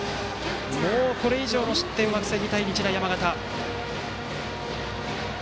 これ以上の失点は防ぎたい日大山形。